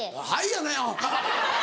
やないよ。